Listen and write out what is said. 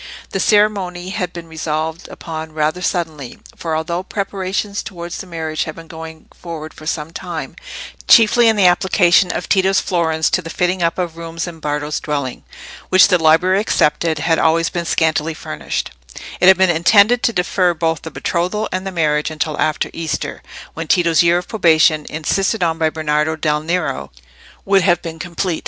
The ceremony had been resolved upon rather suddenly; for although preparations towards the marriage had been going forward for some time—chiefly in the application of Tito's florins to the fitting up of rooms in Bardo's dwelling, which, the library excepted, had always been scantily furnished—it had been intended to defer both the betrothal and the marriage until after Easter, when Tito's year of probation, insisted on by Bernardo del Nero, would have been complete.